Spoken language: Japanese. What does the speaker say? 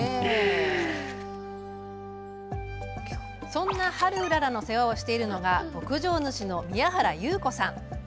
そんなハルウララの世話しているのが牧場主の宮原優子さん。